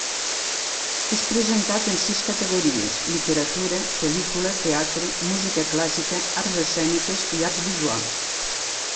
És presentat en sis categories: literatura, pel·lícula, teatre, música clàssica, arts escèniques i arts visuals.